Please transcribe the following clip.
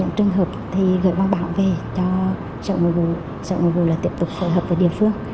một trường hợp thì gửi báo báo về cho sở ngôi vụ sở ngôi vụ là tiếp tục phối hợp với địa phương